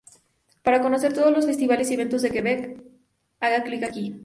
Para conocer todos los festivales y eventos de Quebec, haga clic aquí.